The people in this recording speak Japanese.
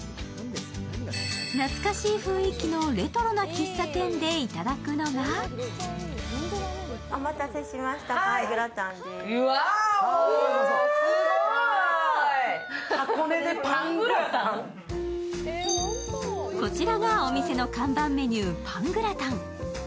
懐かしい雰囲気のレトロな喫茶店でいただくのがこちらがお店の看板メニューパングラタン。